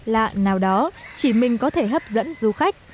lạ nào đó chỉ mình có thể hấp dẫn du khách